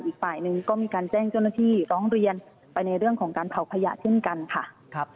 อีกฝ่ายหนึ่งก็มีการแจ้งเจ้าหน้าที่ร้องเรียนไปในเรื่องของการเผาขยะเช่นกันค่ะ